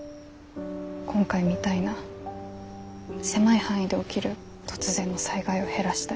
今回みたいな狭い範囲で起きる突然の災害を減らしたい。